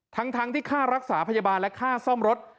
ทั้งที่ค่ารักษาพยาบาลและค่าซ่อมรถ